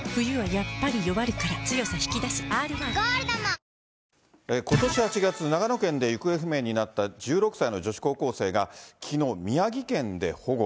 「ＧＯＬＤ」もことし８月、長野県で行方不明になった１６歳の女子高校生が、きのう、宮城県で保護。